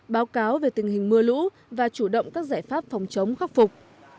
báo cáo về tình hình mưa lũ và chủ động các giải pháp phòng chống khắc phục